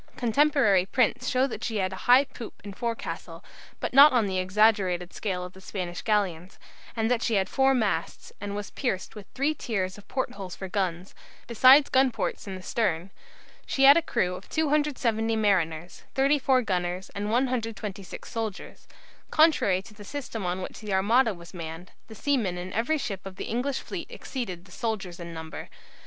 Contemporary prints show that she had a high poop and forecastle, but not on the exaggerated scale of the Spanish galleons; and that she had four masts, and was pierced with three tiers of port holes for guns, besides gun ports in the stern. She had a crew of 270 mariners, 34 gunners, and 126 soldiers. Contrary to the system on which the Armada was manned, the seamen in every ship of the English fleet exceeded the soldiers in number.